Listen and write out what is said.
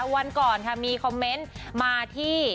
วันก่อนค่ะมีคอมเมนต์มาที่